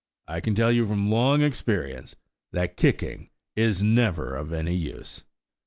I can tell you from long experience, that kicking is never of any use."